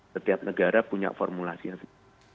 setiap negara punya formulasi yang seperti itu